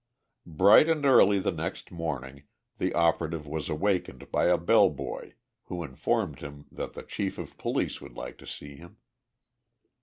Bright and early the next morning the operative was awakened by a bell boy who informed him that the chief of police would like to see him.